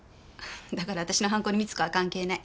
だから私の犯行に美津子は関係ない。